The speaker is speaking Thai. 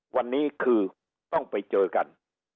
วันนี้คือต้องไปเจอกัน